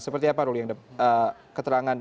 seperti apa ruli keterangan